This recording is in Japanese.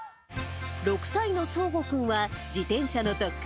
６歳のそうごくんは、自転車